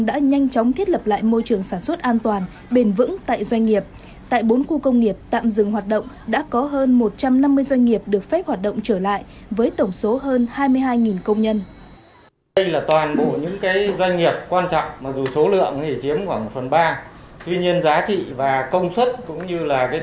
tuy nhiên giá trị và công suất cũng như tổng mức công suất của dự án thì đã chiếm khoảng trên chín mươi của bốn khu